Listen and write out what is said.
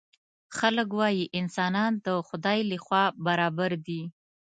خلک وايي انسانان د خدای له خوا برابر دي.